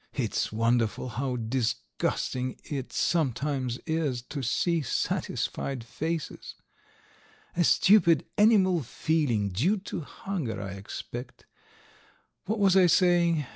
"It's wonderful how disgusting it sometimes is to see satisfied faces. A stupid, animal feeling due to hunger, I expect. ... What was I saying?